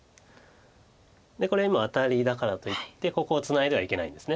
これ今アタリだからといってここをツナいではいけないんです。